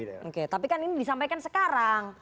oke tapi kan ini disampaikan sekarang